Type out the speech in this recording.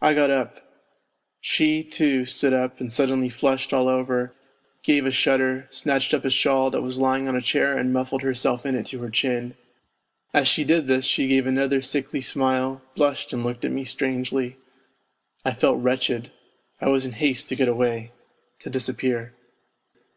I got up; she, too, stood up and suddenly flushed all over, gave a shudder, snatched up a shawl that was lying on a chair and muffled herself in it to her chin. As she did this she gave another sickly smile, blushed and looked at me strangely. I felt wretched; I was in haste to get away to disappear.